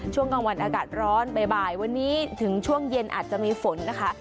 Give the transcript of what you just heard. ช่วงกลางวันอากาศร้อนบ่ายวันนี้ถึงช่วงเย็นอาจจะมีฝนนะคะ